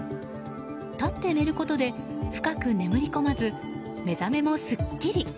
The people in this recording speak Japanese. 立って寝ることで深く眠り込まず目覚めもすっきり。